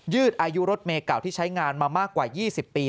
อายุรถเมย์เก่าที่ใช้งานมามากกว่า๒๐ปี